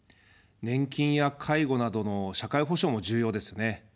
年金や介護などの社会保障も重要ですね。